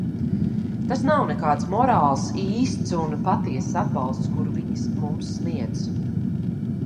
Tas nav nekāds morāls, īsts un patiess atbalsts, kuru viņi mums sniedz.